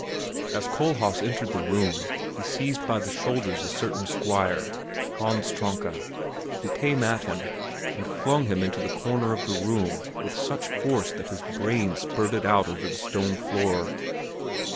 As Kohlhaas entered the room he seized by the shoulders a certain Squire, Hans Tronka, who came at him, and flung him into the corner of the room with such force that his brains spurted out over the stone floor.